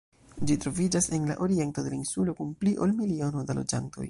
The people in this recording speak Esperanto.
Ĝi troviĝas en la oriento de la insulo, kun pli ol miliono da loĝantoj.